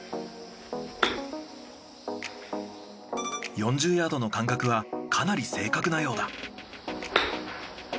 ４０ヤードの感覚はかなり正確なようだ。